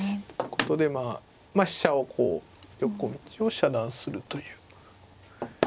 ことでまあ飛車をこう横利きを遮断するという。